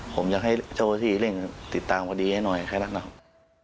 ผมอยากให้เจ้าหน้าที่เร่งติดตามคดีให้หน่อยแค่นั้นนะครับ